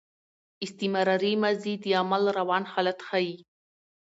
استمراري ماضي د عمل روان حالت ښيي.